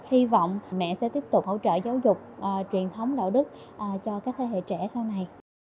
hy vọng mẹ sẽ tiếp tục hỗ trợ giáo dục truyền thống đạo đức cho các thế hệ trẻ sau này